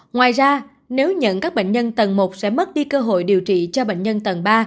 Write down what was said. ngoài ra nếu nhận các bệnh nhân tầng một sẽ mất đi cơ hội điều trị cho bệnh nhân tầng ba